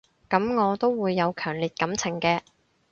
噉我都會有強烈感情嘅